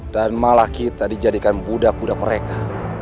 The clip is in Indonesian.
dan malah kita dijadikan budak budak mereka